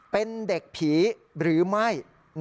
เป็นเด็กผีหรือไม่